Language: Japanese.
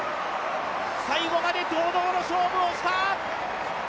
最後まで堂々の勝負をした！